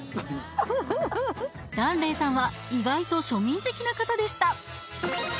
檀れいさんは意外と庶民的な方でした